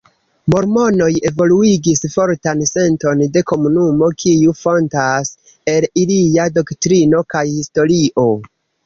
Mormonoj evoluigis fortan senton de komunumo kiu fontas el ilia doktrino kaj historio.